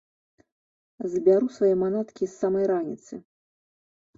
Збяру свае манаткі з самай раніцы.